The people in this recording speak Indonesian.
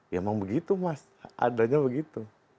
ya emang begitu mas adanya begitu